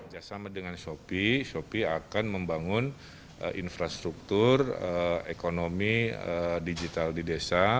bersama dengan sopi sopi akan membangun infrastruktur ekonomi digital di desa